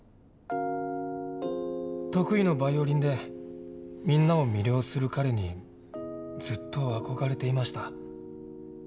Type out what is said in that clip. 得意のバイオリンでみんなを魅了する彼にずっと憧れていました。